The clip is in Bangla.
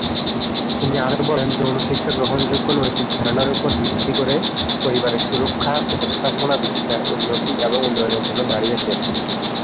তিনি আরও বলেন, যৌন শিক্ষা গ্রহণযোগ্য নৈতিক ধারণার উপর ভিত্তি করে পরিবারের সুরক্ষা, উপস্থাপনা বিস্তার, উন্নতি এবং উন্নয়নের জন্য দাঁড়িয়েছে।